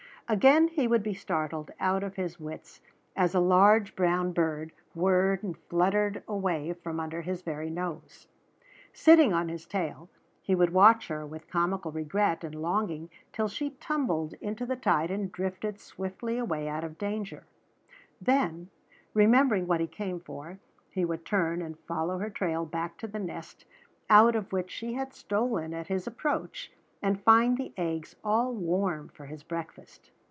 Again he would be startled out of his wits as a large brown bird whirred and fluttered away from under his very nose. Sitting on his tail he would watch her with comical regret and longing till she tumbled into the tide and drifted swiftly away out of danger; then, remembering what he came for, he would turn and follow her trail back to the nest out of which she had stolen at his approach, and find the eggs all warm for his breakfast.